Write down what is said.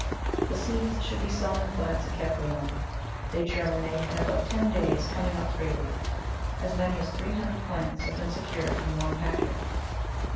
The seeds should be sown in flats and kept warm ; they germinate in about ten days, coming up very freely. As many as three hun dred plants have been secured from one packet.